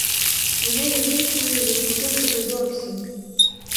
Своєю піснею засмутив тебе зовсім!